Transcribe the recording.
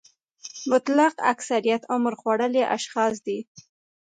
مطلق اکثریت عمر خوړلي اشخاص دي.